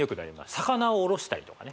魚をおろしたりとかね